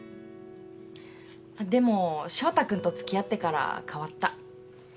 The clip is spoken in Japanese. でも翔太君と付き合ってから変わった。